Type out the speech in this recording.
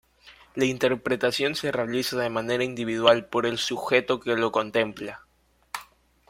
La interpretación se realiza de manera individual por el sujeto que lo contempla.